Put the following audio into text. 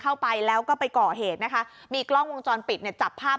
เข้าไปแล้วก็ไปก่อเหตุนะคะมีกล้องวงจรปิดเนี่ยจับภาพ